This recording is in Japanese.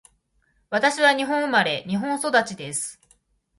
私は日本生まれ、日本育ちです。